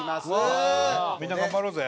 みんな頑張ろうぜ。